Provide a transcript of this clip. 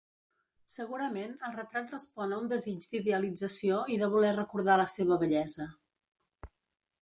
Segurament el retrat respon a un desig d'idealització i de voler recordar la seva bellesa.